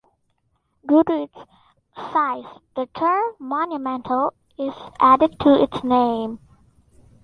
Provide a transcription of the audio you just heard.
Due to its size, the term "Monumental" is added to its name.